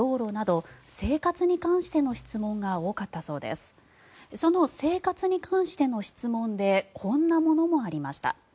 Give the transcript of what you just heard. その生活に関しての質問でこんなものもありました。